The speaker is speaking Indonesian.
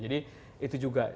jadi itu juga